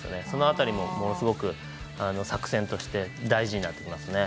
その辺りもものすごく作戦として大事になってきます。